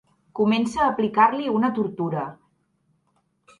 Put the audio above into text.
Comença a aplicar-li una tortura.